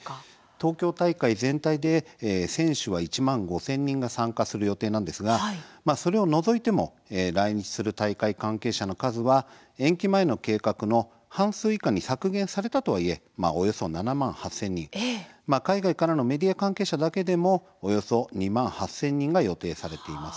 東京大会全体で選手は１万５０００人が参加する予定なんですが、それを除いても来日する大会関係者の数は延期前の計画の半数以下に削減されたとはいえおよそ７万８０００人海外からのメディア関係者だけでもおよそ２万８０００人が予定されています。